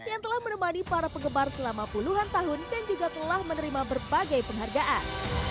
yang telah menemani para penggemar selama puluhan tahun dan juga telah menerima berbagai penghargaan